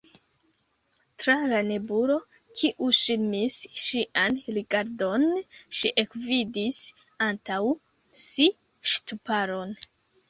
Tra la nebulo, kiu ŝirmis ŝian rigardon, ŝi ekvidis antaŭ si ŝtuparon.